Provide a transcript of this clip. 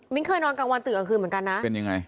มิ้งเคยนอนกลางวันตื่นกลางคืนเหมือนกันนะ